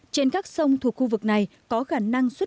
trên các sông thuộc khu vực này có khả năng xuất